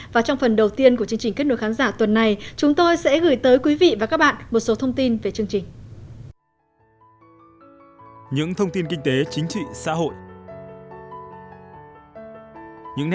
và trong phần đầu tiên của chương trình kết nối khán giả tuần này chúng tôi sẽ gửi tới quý vị và các bạn một số thông tin về chương trình